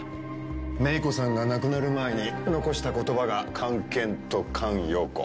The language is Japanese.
芽衣子さんが亡くなる前に残した言葉が「菅研」と「菅容子」。